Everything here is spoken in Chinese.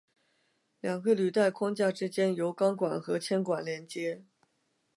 两个履带框架之间由钢管和铅管连接。